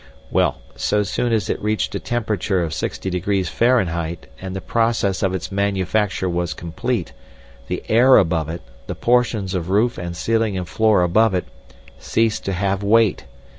"Well, so soon as it reached a temperature of 60 degrees Fahrenheit, and the process of its manufacture was complete, the air above it, the portions of roof and ceiling and floor above it ceased to have weight.